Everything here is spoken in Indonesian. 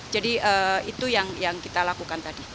jadi itu yang kita lakukan tadi